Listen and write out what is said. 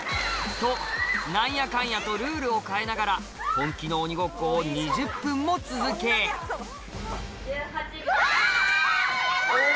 と何やかんやとルールと変えながら本気の鬼ごっこを２０分も続けうわ！